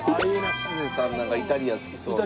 吉瀬さんなんかイタリアン好きそうな。